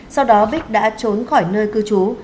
sau đó bích đã trốn khỏi nơi cư trú